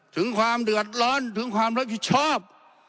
ถึงความเดือดร้อนถึงความรับผิดชอบ